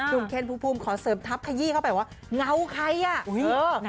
เคนภูมิขอเสริมทัพขยี้เข้าไปว่าเงาใครอ่ะ